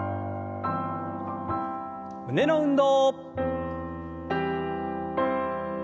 胸の運動。